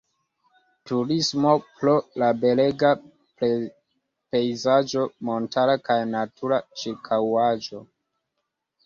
Turismo pro la belega pejzaĝo montara kaj natura ĉirkaŭaĵo.